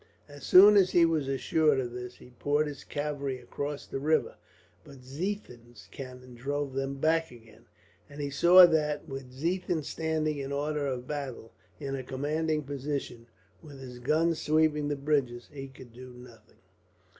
As soon as he was assured of this, he poured his cavalry across the river, but Ziethen's cannon drove them back again; and he saw that, with Ziethen standing in order of battle, in a commanding position, with his guns sweeping the bridges, he could do nothing.